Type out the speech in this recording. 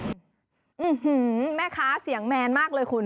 แม่ค้าเสียงแมนมากเลยคุณ